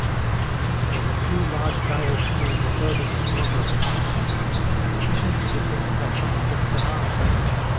Of these, there were two large barrels full in the furthest corner of the cart shed, sufficient to defend Plassans against an army.